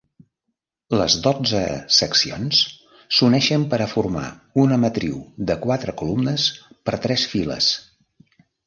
Les dotze seccions s'uneixen per a formar una matriu de quatre columnes per tres files.